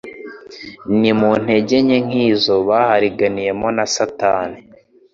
Ni mu ntege nke nk'izo bahariganiyemo na Satani.